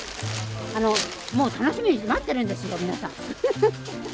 もう楽しみに待ってるんですよ、皆さん。